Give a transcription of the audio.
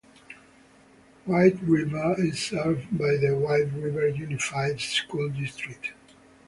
Whiteriver is served by the Whiteriver Unified School District.